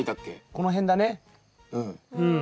この辺だねうん。